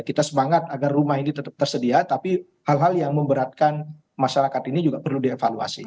kita semangat agar rumah ini tetap tersedia tapi hal hal yang memberatkan masyarakat ini juga perlu dievaluasi